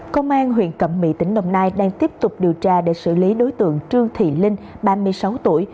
công an huyện cẩm mỹ tỉnh đồng nai đang tiếp tục điều tra để xử lý đối tượng trương thị linh ba mươi sáu tuổi